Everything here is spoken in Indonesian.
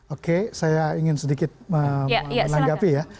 oke saya ingin sedikit menanggapi ya